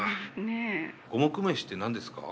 五目飯って何ですか？